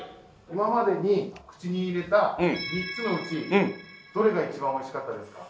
今までに口に入れた３つのうちどれが一番おいしかったですか？